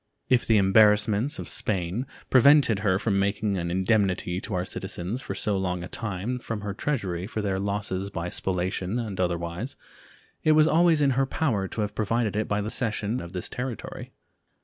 If the embarrassments of Spain prevented her from making an indemnity to our citizens for so long a time from her treasury for their losses by spoliation and otherwise, it was always in her power to have provided it by the cession of this territory.